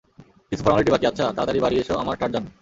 কিছু ফর্মালিটি বাকি আচ্ছা, তাড়াতাড়ি বাড়ি এসো আমার টার্জান।